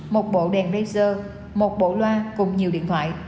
một bộ đèn plaser một bộ loa cùng nhiều điện thoại